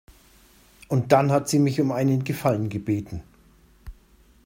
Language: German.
Und dann hat sie mich um einen Gefallen gebeten.